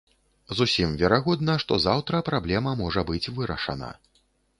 Зусім верагодна, што заўтра праблема можа быць вырашана.